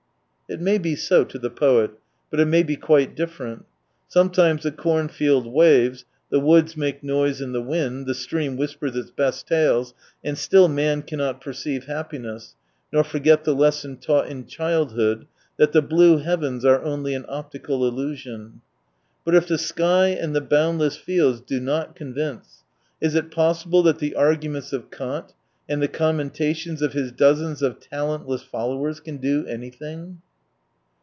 It may be so, to the poet ; but it may be quite different. Sometimes the corn field waves, the woods make noise in the wind, the stream whispers its best tales : and still man cannot perceive happiness, nor forget the lesson taught in childhood, that the blue heavens are only an optical illusion. But if the sky and the boundless fields do not convince, is it possible that the argunients of Kant and the commentations of his dozens of talent less followers can do anything